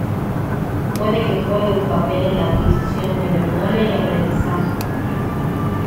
Puede que juegue un papel en la adquisición de memoria y aprendizaje.